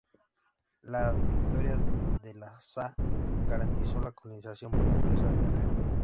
La victoria de De Sá, garantizó la colonización portuguesa de Río.